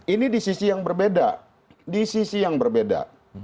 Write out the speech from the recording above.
ini di sisi yang berbeda di sisi yang berbeda